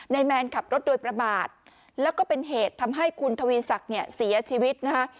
แมนขับรถโดยประมาทแล้วก็เป็นเหตุทำให้คุณทวีศักดิ์เนี่ยเสียชีวิตนะคะ